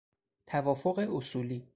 توافق اصولی